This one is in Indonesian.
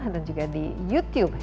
dan juga di youtube